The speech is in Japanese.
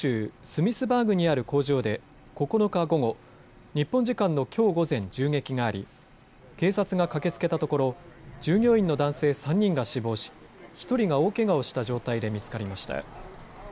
スミスバーグにある工場で９日午後、日本時間のきょう午前、銃撃があり警察が駆けつけたところ従業員の男性３人が死亡し１人が大けがをした状態で見つかりました。